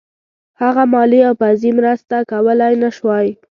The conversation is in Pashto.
هغه مالي او پوځي مرسته کولای نه شوای.